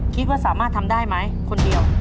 คิดว่าสามารถทำได้ไหมคนเดียว